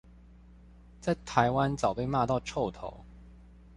在台灣早被罵到臭頭